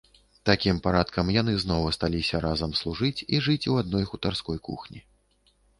Такім парадкам яны зноў асталіся разам служыць і жыць у адной хутарской кухні.